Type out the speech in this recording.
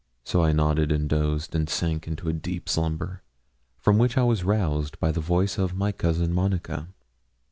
So I nodded and dozed, and sank into a deep slumber, from which I was roused by the voice of my cousin Monica.